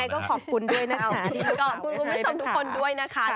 ยังไงก็ขอบคุณด้วยนะคะ